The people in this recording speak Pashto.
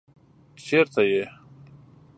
چېرته يې؟